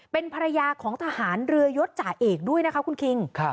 เป็นภรรยาของทหารเรือยศจ่าเอกด้วยนะคะคุณคิง